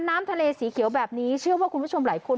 น้ำทะเลสีเขียวแบบนี้เชื่อว่าคุณผู้ชมหลายคน